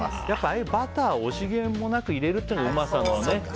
ああいうバターを惜しげもなく入れるっていうのが、うまさのね。